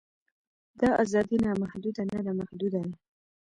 دا ازادي نامحدوده نه ده محدوده ده.